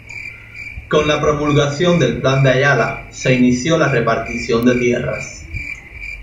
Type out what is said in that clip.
Con la promulgación del Plan de Ayala se inició la repartición de tierras.